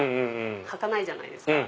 履かないじゃないですか。